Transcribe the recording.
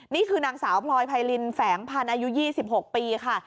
นี่คือนางสาวพลอยไพรินแฝงพันธ์อายุ๒๖ปีค่ะ